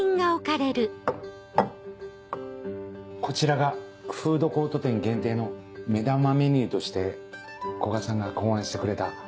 こちらがフードコート店限定の目玉メニューとして古賀さんが考案してくれた。